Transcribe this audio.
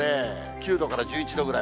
９度から１１度ぐらい。